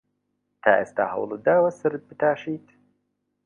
تا ئێستا هەوڵت داوە سەرت بتاشیت؟